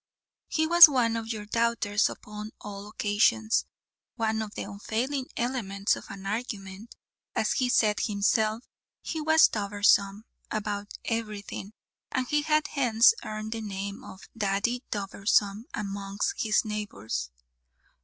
He was one of your doubters upon all occasions, one of the unfailing elements of an argument; as he said himself, he was "dubersome" about everything, and he had hence earned the name of Daddy Dubersome amongst his neighbours.